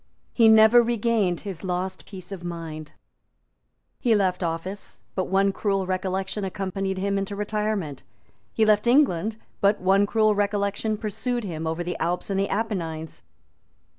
He never regained his lost peace of mind. He left office; but one cruel recollection accompanied him into retirement. He left England; but one cruel recollection pursued him over the Alps and the Apennines.